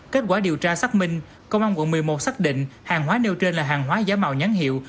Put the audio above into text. kết quả điều tra xác minh công an quận một mươi một xác định hàng hóa nêu trên là hàng hóa giả mạo nhãn hiệu